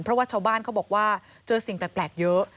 เพราะว่าชาวบ้านเขาบอกว่าเจอสิ่งแปลกเยอะ